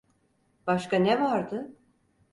Başka ne vardı?